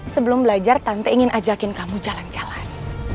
sebelum belajar tante ingin ajakin kamu jalan jalan